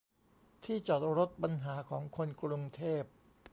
ที่จอดรถ ปัญหาของคนกรุงเทพ